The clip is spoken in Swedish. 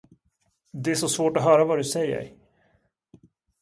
Det är så svårt att höra vad du säger.